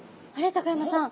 高山さん